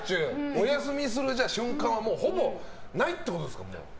お休みする瞬間はほぼないってことですか。